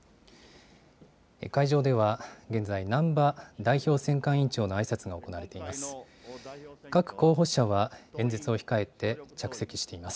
会場では、現在、難波代表選管委員長の代表あいさつが行われています。